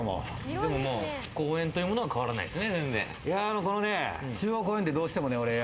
でも公園というものは変わらないですね。